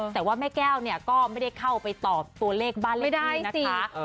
แต่ว่าแม่แก้วเนี่ยก็ไม่ได้เข้าไปตอบตัวเลขบ้านเลขใดนะคะ